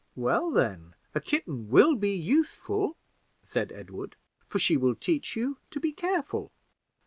"Well, then, a kitten will be useful," said Edward, "for she will teach you to be careful."